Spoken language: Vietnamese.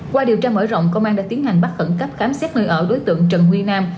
qua điều tra mở rộng công an đã tiến hành bắt khẩn cấp khám xét nơi ở đối tượng trần huy nam